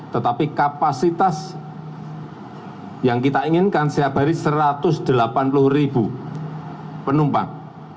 tetapi kapasitas yang kita inginkan setiap hari satu ratus delapan puluh ribu penumpang